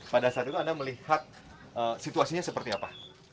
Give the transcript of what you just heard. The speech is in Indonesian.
pada saat itu anda melihat situasinya seperti apa